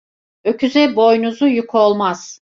Öküze boynuzu yük olmaz.